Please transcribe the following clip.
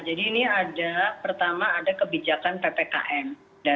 jadi ini ada pertama ada kebijakan ppkm